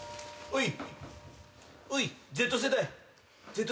おい。